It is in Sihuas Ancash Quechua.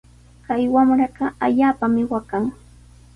Kay wamraqa allaapami waqan.